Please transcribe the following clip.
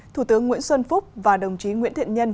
thủ tướng nguyễn xuân phúc và đồng chí nguyễn thiện nhân